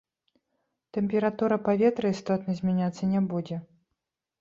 Тэмпература паветра істотна змяняцца не будзе.